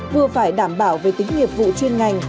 vừa phải đảm bảo về tính nghiệp vụ chuyên ngành